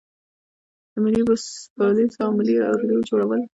د ملي پولیسو او ملي اردو جوړول.